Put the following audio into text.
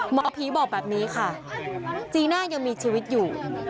หมอผีบอกแบบนี้ค่ะจีน่ายังมีชีวิตอยู่